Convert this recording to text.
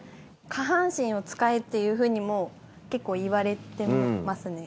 下半身を使えっていうふうにもう結構言われてますね。